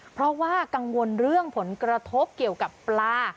เพราะว่ากังวลเรื่องผลกระทบเกี่ยวกับปลา